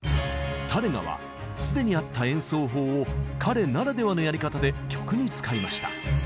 タレガは既にあった演奏法を彼ならではのやり方で曲に使いました。